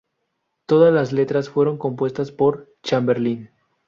Todas las letras fueron compuestas por Chamberlin.